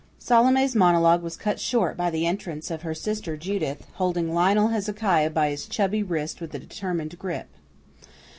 Salome's monologue was cut short by the entrance of her sister Judith, holding Lionel Hezekiah by his chubby wrist with a determined grip.